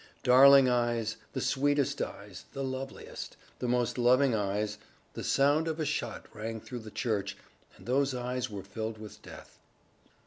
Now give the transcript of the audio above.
Darling eyes, the sweetest eyes, the loveliest, the most loving eyes the sound of a shot rang through the church, and those eyes were filled with death.